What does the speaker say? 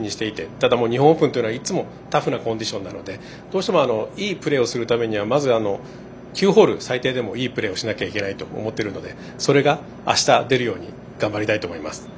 ただ日本オープンはいつもタフなコンディションなのでどうしてもいいプレーをするためにはまず９ホール最低でもいいプレーをしないといけないと思っているのでそれが明日出るように頑張りたいと思います。